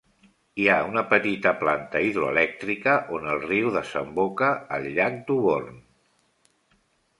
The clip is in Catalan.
Hi ha una petita planta hidroelèctrica on el riu desemboca al llac Duborne.